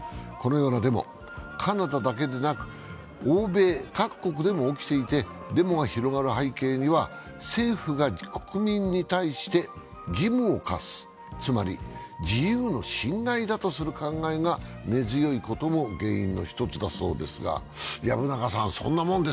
このようなデモはカナダだけでなく欧米各国でも起きていてデモが広がる背景には政府が国民に対して、義務を課す、つまり自由の侵害だとする考えが根強いことも原因の一つだそうです。